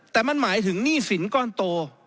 แต่มันหมายถึงหนี้สินก้อนโต